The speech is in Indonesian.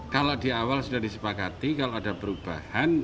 kalau di awal sudah disepakati kalau ada perubahan